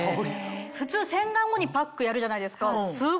普通洗顔後にパックやるじゃないですか。